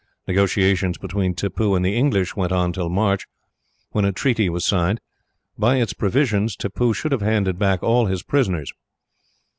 Negotiations between Tippoo and the English went on till March, when a treaty was signed. By its provisions, Tippoo should have handed back all his prisoners.